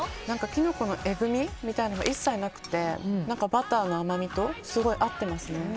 キノコのえぐみみたいなのが一切なくてバターの甘みとすごい合ってますね。